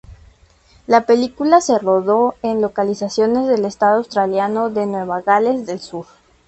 La película se rodó en localizaciones del estado australiano de Nueva Gales del Sur.